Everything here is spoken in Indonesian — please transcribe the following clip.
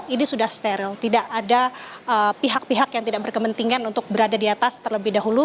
ini sudah steril tidak ada pihak pihak yang tidak berkepentingan untuk berada di atas terlebih dahulu